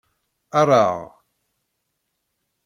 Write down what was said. Erɣ.